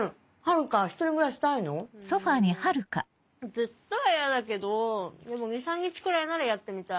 ずっとは嫌だけどでも２３日くらいならやってみたい。